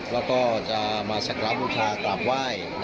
เรามาชักรัมอุทากราบไหว้